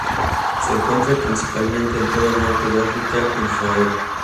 Se encuentra principalmente en todo el norte de África e Israel.